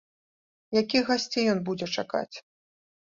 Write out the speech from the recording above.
Якіх гасцей ён будзе чакаць?